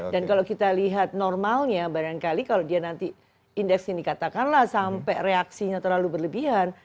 dan kalau kita lihat normalnya barangkali kalau dia nanti indeks ini katakanlah sampai reaksinya terlalu berlebihan